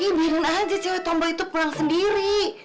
ibadah aja cewek tombol itu pulang sendiri